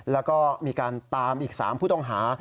แล้วก็มีการตามอีก๓ผู้ต้องหา